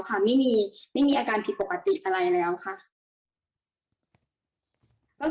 ไม่มีไม่มีอาการผิดปกติอะไรแล้วค่ะ